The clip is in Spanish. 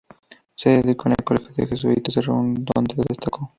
Se educó en el colegio de jesuítas de Ruan, donde destacó.